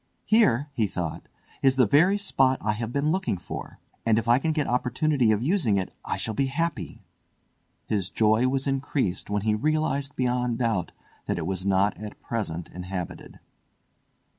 "Here," he thought, "is the very spot I have been looking for, and if I can get opportunity of using it I shall be happy." His joy was increased when he realised beyond doubt that it was not at present inhabited.